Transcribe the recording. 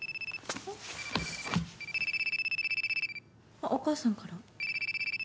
あっお母さんから。